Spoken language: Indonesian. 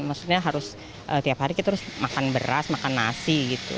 maksudnya harus tiap hari kita harus makan beras makan nasi gitu